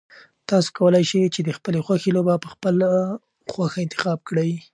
تاسو کولای شئ چې د خپلې خوښې لوبه په خپله خوښه انتخاب کړئ.